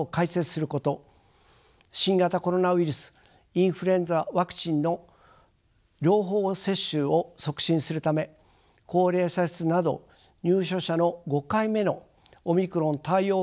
新型コロナウイルスインフルエンザワクチンの両方接種を促進するため高齢者施設など入所者の５回目のオミクロン対応